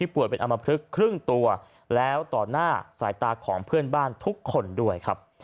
ป่วยเป็นอมพลึกครึ่งตัวแล้วต่อหน้าสายตาของเพื่อนบ้านทุกคนด้วยครับ